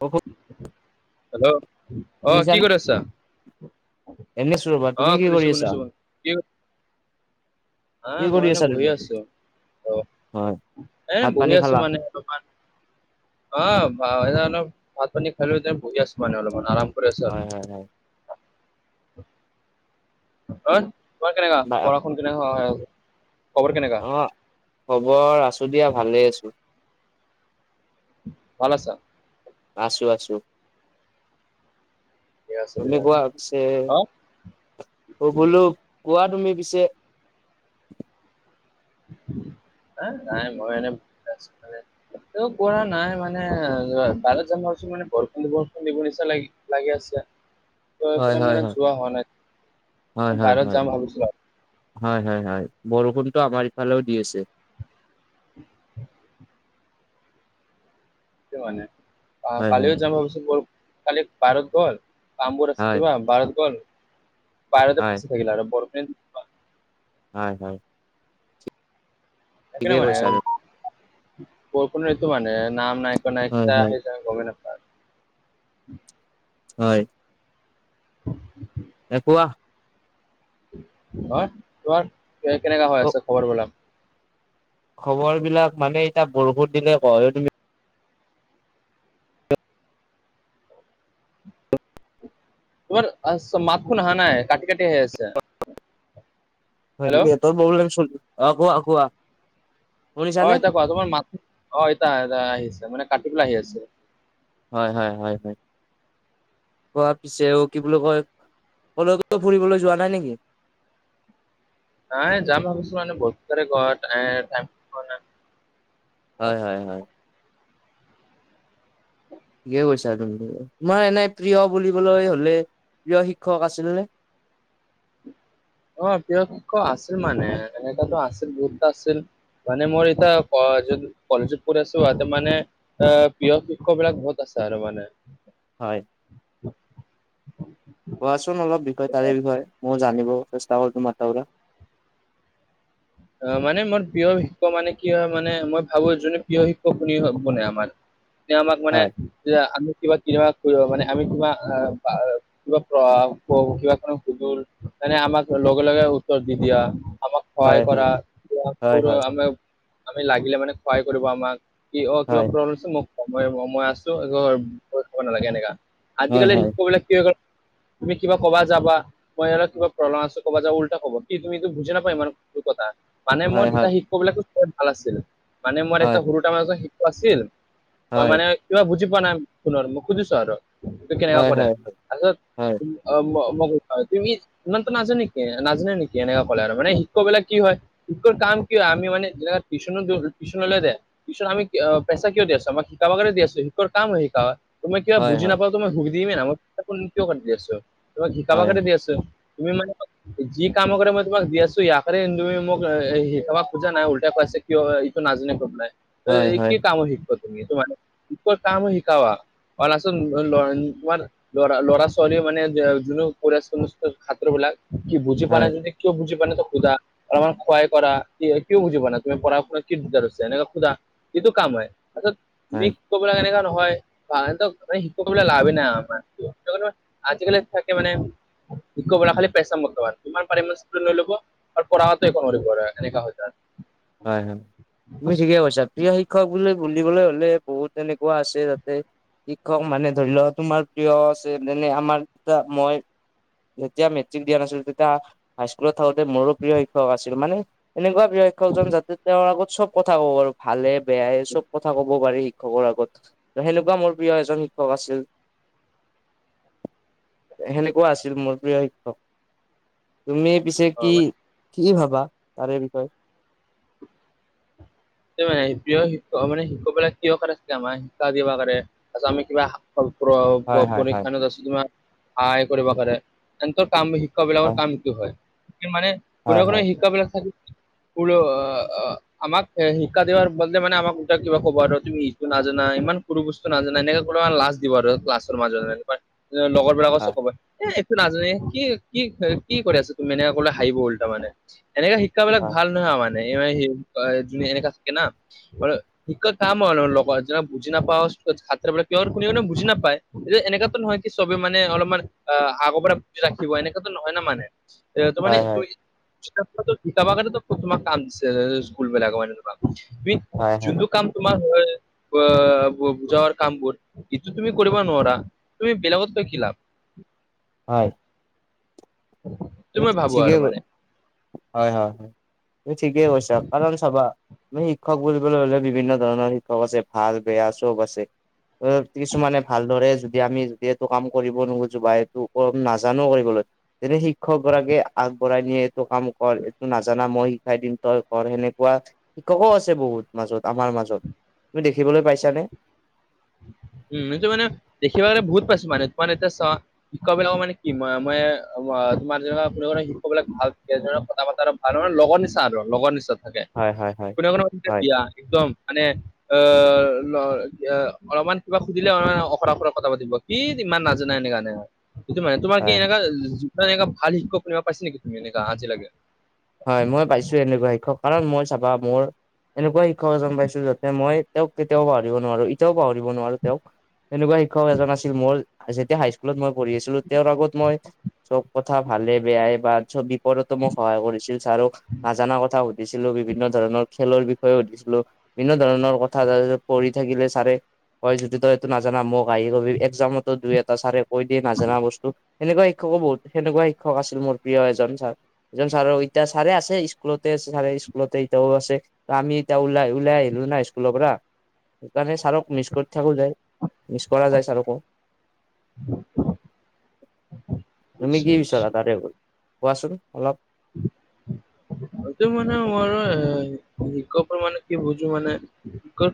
হহ [inaudible] hello আহ কি কৰি আছা? এনে আছো ৰ'বা তুমি আহ কি কৰি শুনিছো আছা শুনিছো কি কি আহ কৰি মইনে? আছা বহি তুমি আছো অ', হয় এ ভাত বহি পানী আছো খালা মানে অলপমান। অ', এ অলপ ভাত পানী খাই লৈ বহি আছো মানে অলপমান আৰাম। কৰি আছো আৰু হয় হয় হয়। অ', তোমাৰ কেনেকুৱা বা পঢ়া শুনা কেনেকা আছে খবৰ কেনেকা? অ', খবৰ আছো দিয়া ভালে আছো। ভাল আছা? আছো আছো, ঠিকে আছে তুমি দিয়া। কোৱা পিছে অ অ', বোলো কোৱা তুমি পিছে। [inaudible] হা নাই মই এনে আছোঁ। [inaudible] ত কৰা নাই মানে বাৰত যন্ছো মানে বৰষুণ বৰষুণ দিব নিচিনা লাগে [unintelligible] লাগি আছে হয় তনে হয় মানে হয় যোৱা হোৱা হয় নাই হয় বাহিৰত হয় যাম ভাবিছিলো আৰু। হয় হয় হয়, বৰষুণটো আমাৰ ইফালেও দি আছে। [inaudible] কি মানে আহা হয় হয় কালিও যাম ভাবিচোন কালি বাৰত গল কামবোৰ আছে হয় কিবা বাৰত গল বাহৰতে হয় ফাঁচি থাকিল আৰু বৰপিন [inaudible] হয় হয়। তনে ঠিকে মানে কৈছা আৰু ক টো মানে নাম নায়িক হয় নায়া হয় আহি য গমে ন [unintelligible] [inaudible] হয়। অ', এ, কোৱা। অ', তোমাৰ কেনেকা হৈ অ আছে খবৰ বিলাক। খবৰ বিলাক মানে এতিয়া বৰষুণ [unintelligible] দিলে ক হয় তুমি তোমাৰ মাতখোন অহা নাই কাটি কাটি আহি আছে। হয় নেকি হেল্ল' [unintelligible] অ', কোৱা কোৱা। অ', শুনিছানে এতা কোৱা তোমাৰ মাত অ', এতা এ আহি আছে মানে কাটি পেলাই আহি আছে। হয়, হয়, হয়, হয়। [unintelligible] কি বুলি কয় কলৈ কলে ফুৰিবলৈ যোৱা নাই নেকি। নাই যাম ভাবিছোঁ মানে ব ঘৰত। [unintelligible] হয়, হয়, হয়। [unintelligible] কৈছা তুমি তোমাৰ এনে প্ৰিয় বুলিবলৈ হ'লে প্ৰিয় শিক্ষক আছিল নে? অ', প্ৰিয় ক আছিল মানে এনেকাতো আছিল বহুত আছিল মানে মোৰ এতিয়া কলেজত পঢ়ি আছো এতা মানে এ প্ৰিয় শিক্ষক বিলাক বহুত আছে আৰু মানে হয়। কোৱাচোন অলপ বিষয়ে তাৰে বিষয়ে ময়ো জানিব চেষ্টা কৰো তোমাৰ তাৰ পৰা অ', মানে মোৰ প্ৰিয় শিক্ষক মানে কি হয় মানে মই ভাবোঁ যোনে প্ৰিয় শিক্ষক শুনি আমাৰ [inaudible] আমাক মানে হয় আকৌ আমি কিবা, কিবা কৰিব মানে আমি কিবা পৰা কিবা কিবা কো সুজুল [unintelligible] তোনে আমাক লগে লগে উত্তৰ দি দিয়া আমাক সহায় হয় হয় কৰা হয় প আম [unintelligible] আমি লাগিলে মানে কহায় কৰিব আমাক কি অ', কিবা হয় প্ৰব্লেম মোক ই মই আছো একো পয় খাব নালাগে এনেকা হয় আজিকালিৰ হয় শিক্ষক বিলাক কি হয় তুমি কিবা যাবা ক'বা মই আৰ কিবা [unintelligible] আছোঁ যাব উল্টা ক'ব কি তুমি বুজি নাপায় ইমান [unintelligible] মানে মই হয় তেতিয়া শিক্ষকবিলাকো ভাল আছিল মানে মই এটা হয় সৰু তাৰাৰ শিশু আছিল মই হয় মানে কিবা বুজি পোৱা নাই শুনৰ মোক সুধিছো আৰু। ত কেনেকুৱা হয় হয় কৰে হয় তাছত অ', মগ খা তুমি ইমানতো নাজান নেকি নাজানে নেকি এনেকা ক'লে আৰু মানে ক'বলে কি হয় ইটোৰ কাম কি হয় আমি মানেত পিছনো পিছনো নে দে পিছত আমি পেচা কিয় আছে আমাক শিকাব কাগে দি আছে, সিহঁতৰ কাম হয় শিকা। তোমি কিবা হয় হয় বুজি হয় নাপাও তোমাক শুধিমে ন [unintelligible] কাটি দি আছোঁ তোমাক শিকাব হয় কানে দি আছে। তুমি মানে যি কাম কৰে মই তোমাক দি আছোঁ এইয়া কৰে তুমি মোক [unintelligible] কাবাক খোজা নাই উল্টাই কৈছে কিয় ইটো নাজানে ক'ত নাই। হয় হয় তই হয় কি হয় কামো শিকিব তুমি তোমান [unintelligible] কাম শিকাৱা কৰাচোন [unintelligible] ল'ৰা, ল'ৰা ছোৱালীয়ে মানে যোননো [unintelligible] ছাত্ৰবিলাক। কি বুজি হয় পানাই যদি কিয় বুজি পা নাইটো সুধা। আৰুমাৰ ক্ষুৱায় কৰা কি কিয় বুজিব পঢ়া তুমি পঢ়া কি দিগদাৰ হৈছে নেনেকে সুধা। সিটো কাম হয় [unintelligible] হয় শিকবিলাক এনেকুৱা নহয় শিকবিলাক লাভেই নাই আমাৰ আজিকালি থাকে মানে খালি পেচা [unintelligible] পাৰে ল'ব লাগে। আৰু পঢ়াটোক এনেকা হৈ যায়। ‌ হয়, হয়। তুমি ঠিকে কৈছা। প্ৰিয় শিক্ষক বুলি বুলিবলে হ'লে বহুত তেনেকুৱা আছে তাতে। শিক্ষক মানে ধৰি লওঁ তোমাৰ প্ৰিয় আছে মানে আমাৰ দুটা মই যেতিয়া মেট্ৰিক দিয়া নাছিলোঁ তেতিয়া হাইস্কুলত থাকোঁতে মোৰো প্ৰিয় শিক্ষক আছিল মানে এনেকুৱা প্ৰিয় শিক্ষ শিক্ষকজন যাতে তেওঁৰ আগত চব কথা ক'ব পাৰোঁ ভালে বেয়াই চব কথা ক'ব পাৰি। শিক্ষকৰ আগত সেনেকুৱা মোৰ প্ৰিয় এজন শিক্ষক আছিল। সেনেকুৱা আছিল মোৰ প্ৰিয় শিক্ষক। তুমি পিছে কি, অ কি ভাবা তাৰে বিষয়ে? মানে শিক্ষক মানে, শিক্ষক বিলাক কিহৰ কাৰণে, আমাৰ শিক্ষা কিবা কাৰণে তাৰপিছত আমি কিবা হয় হয় হয় পৰীক্ষা ন আছোঁ, তোমালোকক সহায় কৰিব পাৰে। এ কাম শিক্ষকবিলাকৰ হয় কাম কি হয়। মানে কোনে হয় কোনে হয় শিক্ষাবিলাক থাকে। আমাক- শিক্ষা দিয়াৰ বদলি মানে আমাক ওলটাই কিবা ক'ব আৰু। তুমি ইটো নাজানা, ইমান সৰু বস্তু নাজানা, এনেকে কোনোবাই লাজ দিব আৰু ক্লাছৰ মাজত, লগৰ বিলাকো হয় চক এ নাজানে, কি কি কৰি আছা। তুমি এনেকে ক'লে হাহিব 'ল তাৰ মানে এনেকা। শিক্ষাবিলাক হয় ভাল নহয় মানে, এনেকা থাকে ন। শিক্ষা কাম হ'ল যোনে যোনে বুজি নাপায়, সিহঁতক কোনোনে বুজি নাপায়। এনেকাতো নহয়, কি চবে মানে অলপমান আগৰ পৰা বুজি ৰাখিব। এনেকুৱাতো নহয় না মানে। হয় হয় এ শিকাব কাৰণেটো তোমাক কাম দিছে, স্কুলবিলাক মানে তোমাক। তুমি, হয় হয় যোনটো কাম তোমাৰ হয়ে। বুজাৰ কামবোৰ, কিন্তু তুমি কৰিবা নোৱাৰা। তুমি বেলেগত গৈ কি লাভ। হয়। সেইটো মই ভাবো আৰু ঠিকেই ক, মানে হয় হয়। এই ঠিকেই কৈছাঁ। কাৰণ চাবা, তুমি শিক্ষক বুলিবলৈ হ'লে, বিভিন্ন ধৰণৰ শিক্ষক আছে ভাল বেয়া চব আছে। কিছুমানে ভালদৰে যদি আমি, যদি এইটো কাম কৰিব নাজানোঁ বা এইটো নাজানোঁ কৰিবলৈ। যদি শিক্ষক গৰাকীয়ে পৰাই নিয়ে, এইটো কাম কৰ, এইটো নাজানা। মই শিকাই দিম, তই কৰ সেনেকুৱা। শিক্ষকও আছে বহুত, মাজত আমাৰ মাজত। তুমি দেখিবলৈ পাইছানে। উম্, সেইটো মানে দেখিব গ'লে বহুত পাইছোঁ মানে। তোমাৰ এতিয়া চ শিক্ষক বিলাকৰ মানে কি, মানে তোমাৰ যেনেতেনে শিক্ষক বিলাক ভাল কথা বতৰা আৰু মানে লোভৰ নিচা আৰু লোভৰ নিচাত থাকে। হয় হয় হয় কোনে কোনে পাতিছে হয় বিয়া। একদম মানে আহ্ অলপমান। কিবা সুধিলে অখৰা অখৰা কথা পাতিব। কি ইমান নাজানে এনেকে কাণে মানে তোমাৰ কি হয় এনেকা যত' এনেকা ভাল শিক্ষক শুনিব পাইছে নেকি? তুমি এনেকা আজি লাগে, হয়, মই পাইছোঁ এনেকুৱা শিক্ষক কাৰণ মই চাবা মোৰ এনেকুৱা শিক্ষক এজন পাইছোঁ, যাতে মই তেওঁক কেতিয়াও পাহৰিব নোৱাৰোঁ। এতিয়াও পাহৰিব নোৱাৰোঁ তেওঁক। এনেকুৱা শিক্ষক এজন আছিল মোৰ। যেতিয়া হাইস্কুলত মই পঢ়ি আছিলোঁ, তেওঁৰ আগত মই চব কথা ভালে বেয়াই বা চব বিপদত মোক সহায় কৰি চাৰক নাজানা কথা সুধিছিলোঁ, বিভিন্ন ধৰণৰ খেলৰ বিষয়ে সুধিছিলোঁ, বিভিন্ন ধৰণৰ কথা পঢ়ি থাকিলে চাৰে হয় যদি তই এইটো নাজানা মোক আহি কবি। একজামতো দুই এটা ছাৰে কৈ দিয় নাজানা বস্তু। সেনেকুৱাই, শিক্ষকো বহুত, সেনেকুৱা শিক্ষক আছিল। মোৰ প্ৰিয় এজন ছাৰ। এজন ছাৰ এতিয়া ছাৰে আছে, স্কুলতে ছাৰে স্কুলতে এতিয়াও আছে। ত' আমি এতিয়া ওলাই, ওলাই আহিলোঁ না স্কুলৰ পৰা। সেইকাৰণে ছাৰক মিছ কৰি থাকোঁ যায়। মিছ কৰা যায় ছাৰকো। উ তুমি কি বিচাৰা। তাতে হ'ল কোৱাচোন অলপ। উম্। সেইটো মানে মোৰো মানে কি বুজো মানে।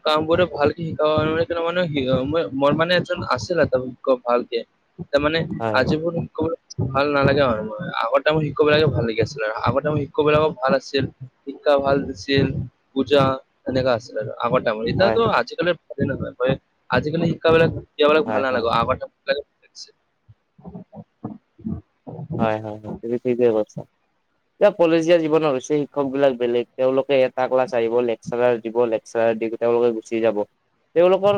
কাম বোৰ ভালকে শিকাব মানে। মোৰো মানে এজন আছিল আৰু ত ভালকে। ত মানে হয় আজি মোৰ ক ভাল নালাগে মান মোৰ। আগৰ তাইমৰ শিক্ষক বিলাকে ভাল লাগি আছিলে আৰু আগৰ তাইমৰ শিক্ষক বিলাকক ভাল আছিল, শিক্ষা ভাল দিছিল। পূজা এনেকা আছিল আৰু। আগৰ তাইমৰ, হয় এতিয়াতো আজিকালিৰ ভাল নহয়। আজিকালিৰ শিক্ষাবিলাকো এতিয়া বিলাক ভাল হয় হয় নালাগে আৰু। হয় হয়। তুমি ঠিকেই কৈছাঁ। এইয়া কলেজিয়া জীৱনৰ হৈছে শিক্ষক বিলাক বেলেগ। তেওঁলোকে এটা ক্লাছ আহিব ল, চাৰাৰ দিব লেকচাৰ দি গোটে তেওঁলোকে গুচি যাব। তেওঁলোকৰ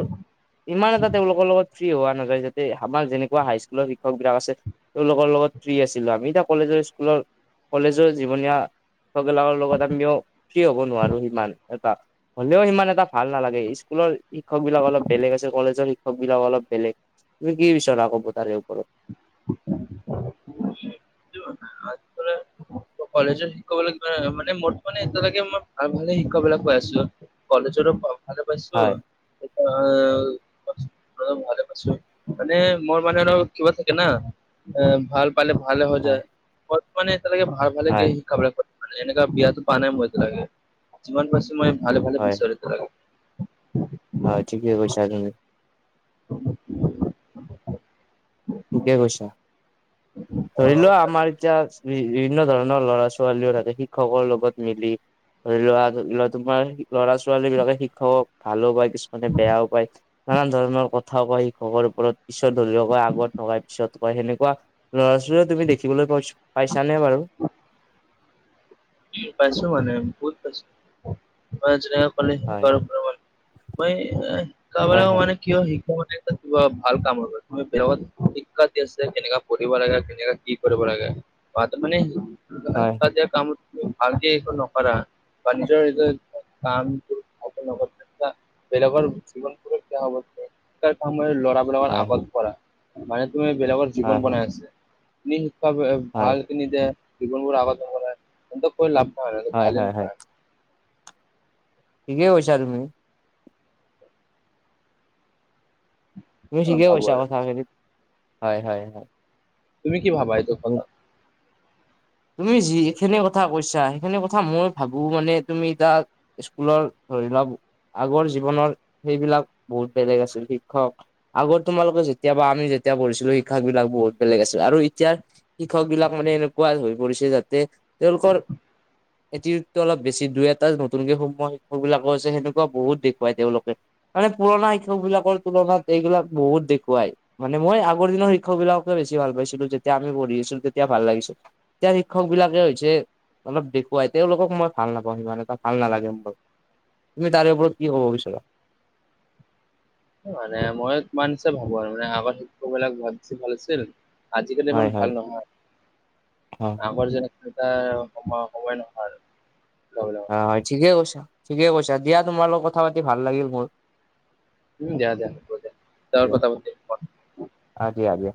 ইমান এটা তেওঁলোকৰ লগত ফ্ৰী হোৱা নাযায়। যাতে আমাৰ যেনেকুৱা হাইস্কুলৰ শিক্ষকবিলাক আছে তেওঁলোকৰ লগত ফ্ৰী আছিলোঁ আমি। এতিয়া কলেজৰ স্কুলৰ কলেজৰ জীৱনীয়া চববিলাকৰ লগত আমিও ফ্ৰী হ'ব নোৱাৰো সিমান এটা। হ'লেও সিমান এটা ভাল নালাগে। স্কুলৰ শিক্ষকবিলাক অলপ বেলেগ আছে। কলেজৰ শিক্ষক বিলাক অলপ বেলেগ। তুমি কি বিচৰা ক'ব তাৰে ওপৰত? [inaudible] [unintelligible] কলেজত শিক্ষক হ'লে মানে মত মানে এতিয়ালকে মই ভাল ভালে শিক্ষকবিলাক পাই আছোঁ। কলেজৰো ভা ভালে পাইছোঁ। হয় এতিয়া ভালে পাইছো। মানে মোৰ মানে আৰু কিবা থাকে না এ ভাল পালে ভালে হৈ হয় যায়। মোৰ মানে এতিয়ালৈকে ভাল ভালে গে হয় শিক্ষকবিলাক। এনেকুৱা বেয়াটো পোৱা নাই মই এতিয়া লৈকে। যিমান পাইছোঁ মই ভালে ভালে হয় পাইছোঁ আৰু হয় এতিয়া লৈকে। হয়, ঠিকে কৈছা তুমি। ঠিকে কৈছা। ধৰি লোৱা অ' আমাৰ এতিয়া বিভিন্ন ধৰণৰ ল'ৰা-ছোৱালীও থাকে শিক্ষকৰ লগত মিলি। ধৰি লোৱা ধৰি লোৱা তোমাৰ ল'ৰা-ছোৱালীবিলাকে শিক্ষকক ভালো পায়। কিছুমানে বেয়াও পায়। নানান ধৰণৰ কথাও কয় শিক্ষকৰ ওপৰত। পিছত ধৰি ল'বা আগত নকয় পিছত কয়। সেনেকোৱা ল'ৰা-ছোৱা তুমি দেখিবলৈ পাইছ পাইছানে বাৰু? পাইছোঁ মানে বহুত পাইছোঁ। [unintelligible] হয় মই শিকাবলে হয় হয় মানে কিয় শিক্ষকহঁতেটো কিবা ভাল কামৰ বোলে। তুমি বেয়া শিক্ষা দি আছে কেনেকা কৰিব লাগাখিনি আৰু কি কৰিব লাগে বাত মানে হয় [unintelligible] কাম ভালকে একো নকৰা বা নিজৰ নিজৰ কাম [unintelligible] হয় আগত কৰা। মানে তুমি বেলেগৰ জীৱন হয় হয় বনাই আছে। তুমি শিক্ষা হয় ভাল নিদিয়ে। জীৱনবোৰ আগতে বনাই, সিহঁতক কৈ লাভ নাই। হয় ভালে হয় নাপাই। ঠিকে কৈছা তুমি। তুমি মই ঠিকে ভাবো কৈছা আৰু কথাখিনি। হয় হয় হয়। তুমি কি ভাবা এইটো ওপৰত? উম। তুমি যিখিনি কথা কৈছা, সেইখিনি কথা মই ভাবো। মানে তুমি তাক স্কুলৰ ধৰি লওঁক আগৰ জীৱনৰ সেইবিলাক বহুত বেলেগ আছিল শিক্ষক। আগৰ তোমালোকে যেতিয়া বা আমি যেতিয়া পঢ়িছিলো শিক্ষাকবিলাক বহুত বেলেগ আছিল আৰু এতিয়া শিক্ষকবিলাক মানে এনেকুৱা হৈ পৰিছে যাতে তেওঁলোকৰ এটিটিউডটো অলপ বেছি। দুই এটা নতুনকে সোমোৱা শিক্ষকবিলাকো আছে। সেনেকুৱা বহুত দেখুৱাই তেওঁলোকে। মানে পুৰণা শিক্ষকবিলাকৰ তুলনাত এইবিলাক বহুত দেখুৱায়। মানে মই আগৰ দিনৰ শিক্ষকবিলাককে বেছি ভাল পাইছিলো, যেতিয়া আমি পঢ়ি আছিলো, তেতিয়া ভাল লাগিছিল। এতিয়া শিক্ষকবিলাকে হৈছে অলপ দেখুৱাই। তেওঁলোকক মই ভাল নাপাওঁ সিমান এটা ভাল নালাগে মোৰ। তুমি তাৰে ওপৰত কি ক'ব বিচৰা? কি মানে মই তোমাৰ নিচিনা ভাবো আৰু। মানে আগৰ শিক্ষকবিলাক বেছি ভাল আছিল। আজিকালি ইমান হয় ভাল হয় নহয়। হয় আমাৰ যে সময় সময় নহ'ল শিক্ষকবিলা হয়, ঠিকে কৈছা ঠিকে কৈছা। দিয়া তোমাৰ লগত কথা পাতি ভাল লাগিল মোৰ। উম, দিয়া দিয়া। হ'ব দিয়া পিছত কথা পাতিম মই। অ', দিয়া দিয়া।